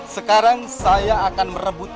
sekarang saya akan merebut